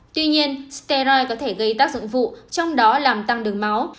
tuy nhiên stary có thể gây tác dụng vụ trong đó làm tăng đường máu